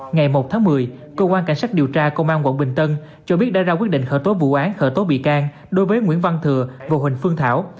ngày một tháng một mươi cơ quan cảnh sát điều tra công an quận bình tân cho biết đã ra quyết định khởi tố vụ án khởi tố bị can đối với nguyễn văn thừa và huỳnh phương thảo